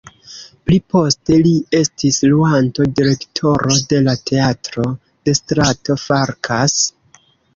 Pli poste li estis luanto-direktoro de la Teatro de strato Farkas.